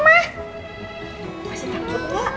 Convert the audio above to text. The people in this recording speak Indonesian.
masih takut gak